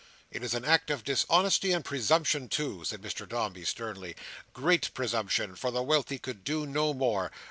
It is an act of dishonesty and presumption, too," said Mr Dombey, sternly; "great presumption; for the wealthy could do no more.